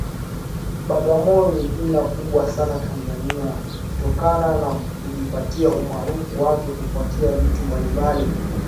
Bagamoyo ni jina kubwa sana Tanzania kutokana na kujipatia umaarufu wake kufuatia vitu mbalimbali